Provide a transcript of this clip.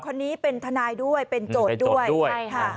คนนี้เป็นทนายด้วยเป็นโจทย์ด้วยใช่ค่ะ